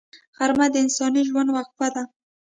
غرمه د انساني ژوند وقفه ده